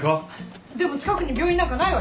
でも近くに病院なんかないわよ。